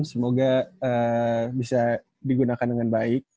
semoga bisa digunakan dengan baik